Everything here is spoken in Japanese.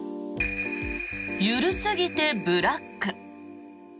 緩すぎてブラック。